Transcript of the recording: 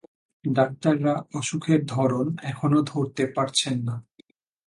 ডাক্তাররা অসুখের ধরন এখনও ধরতে পারছেন না।